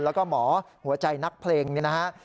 แล้วก็หมอหัวใจนักเพลงนี่นะฮะ